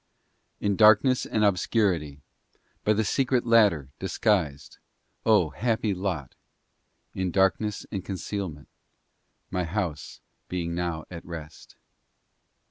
II In darkness and obscurity, By the secret ladder, disguised, O, happy lot! In darkness and concealment, My house being now at rest.